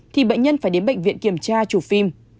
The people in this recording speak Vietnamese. thì bệnh nhân phải đến bệnh viện kiểm tra chụp phim